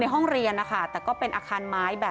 มีแต่เสียงตุ๊กแก่กลางคืนไม่กล้าเข้าห้องน้ำด้วยซ้ำ